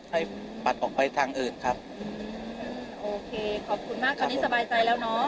ปัดออกไปทางอื่นครับโอเคขอบคุณมากตอนนี้สบายใจแล้วเนอะ